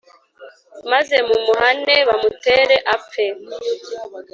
maze mumuhāne, bamutere apfe.